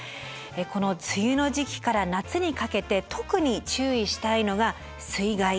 この梅雨の時期から夏にかけて特に注意したいのが水害です。